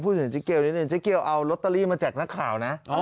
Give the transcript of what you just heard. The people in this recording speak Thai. เห็นเจ๊เกียวนิดนึงเจ๊เกียวเอาลอตเตอรี่มาแจกนักข่าวนะ